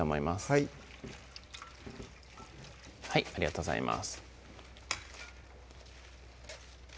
はいはいありがとうございます